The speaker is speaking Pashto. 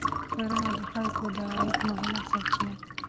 کرنه د خلکو د عاید مهمه سرچینه ده